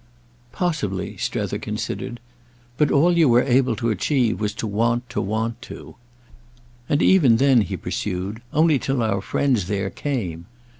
"Possibly"—Strether considered. "But all you were able to achieve was to want to want to! And even then," he pursued, "only till our friends there came.